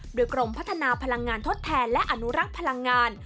โดยกรมพัฒนาพลังงานทดแทนและอนุรักษ์พลังงาน